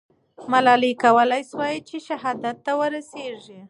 ملالۍ کولای سوای چې شهادت ته ورسېږي.